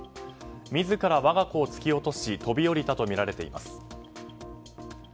自ら我が子を突き落とし飛び降りたとみられています。